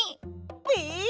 え！